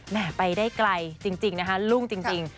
ไปได้ไกลจริงนะคะรุ่งจริง